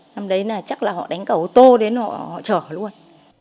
năm đấy là chắc là họ đánh cả ô tô đến họ chở luôn